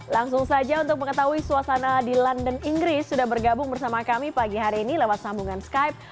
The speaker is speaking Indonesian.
langsung saja untuk mengetahui suasana di london inggris sudah bergabung bersama kami pagi hari ini lewat sambungan skype